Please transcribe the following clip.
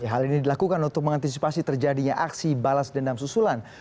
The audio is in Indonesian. hal ini dilakukan untuk mengantisipasi terjadinya aksi balas dendam susulan